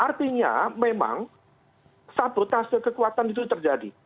artinya memang sabotase kekuatan itu terjadi